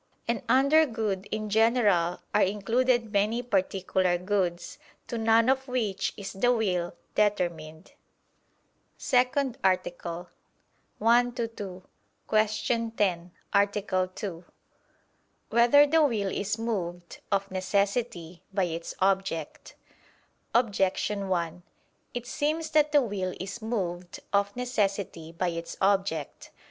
And under good in general are included many particular goods, to none of which is the will determined. ________________________ SECOND ARTICLE [I II, Q. 10, Art. 2] Whether the Will Is Moved, of Necessity, by Its Object? Objection 1: It seems that the will is moved, of necessity, by its object.